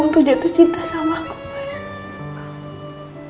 untuk jatuh cinta sama aku mas